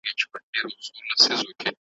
هره ورځ به په دعا یو د زړو کفن کښانو ,